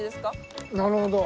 なるほど。